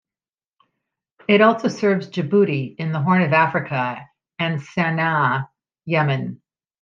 It also serves Djibouti in the Horn of Africa and Sana'a, Yemen.